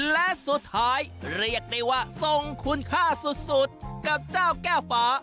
และสุดท้ายเรียกได้ว่าทรงคุณค่าสุดกับเจ้าแก้วฟ้า